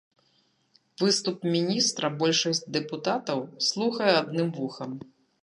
Выступ міністра большасць дэпутатаў слухае адным вухам.